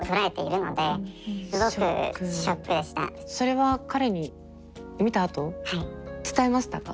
それは彼に見たあと伝えましたか？